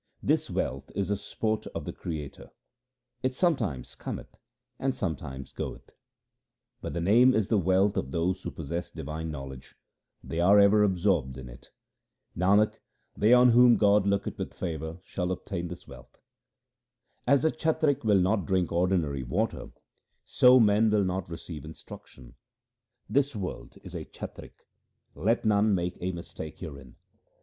This wealth is the sport of the Creator ; it sometimes cometh and sometimes goeth ; 1 Human beings thrive under divine instruction. 246 THE SIKH RELIGION But the Name is the wealth of those who possess divine knowledge ; they are ever absorbed in it. Nanak, they on whom God looketh with favour, shall obtain this wealth. As the chatrik will not drink ordinary water, so men will not receive instruction :— This world is a chatrik ; let none make a mistake herein.